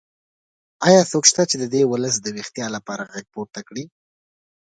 ایا څوک شته چې د دې ولس د ویښتیا لپاره غږ پورته کړي؟